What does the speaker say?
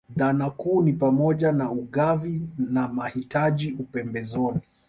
Dhana kuu ni pamoja na ugavi na mahitaji upembezoni